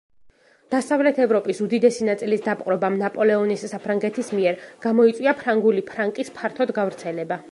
დასავლეთ ევროპის უდიდესი ნაწილის დაპყრობამ ნაპოლეონის საფრანგეთის მიერ გამოიწვია ფრანგული ფრანკის ფართოდ გავრცელება.